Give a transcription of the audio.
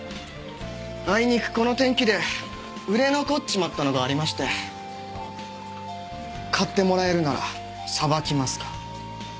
あいにくこの天気で売れ残っちまったのがありまして買ってもらえるならさばきますが？